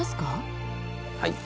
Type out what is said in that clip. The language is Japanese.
はい。